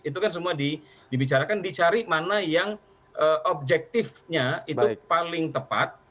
itu kan semua dibicarakan dicari mana yang objektifnya itu paling tepat